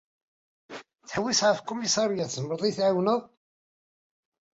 Ttḥewwiseɣ ɣef tkumisarya, tzemreḍ ad yi-tεawneḍ?